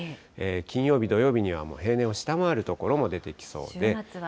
金曜日、土曜日にはもう平年を下回る所も出てきそうで。